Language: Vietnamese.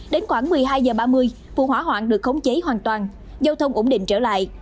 đến khoảng một mươi hai h ba mươi vụ hỏa hoạn được khống chế hoàn toàn giao thông ổn định trở lại